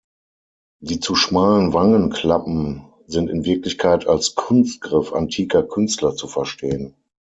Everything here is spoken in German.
Die zu schmalen Wangenklappen sind in Wirklichkeit als Kunstgriff antiker Künstler zu verstehen.